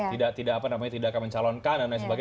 tidak akan mencalonkan dan lain sebagainya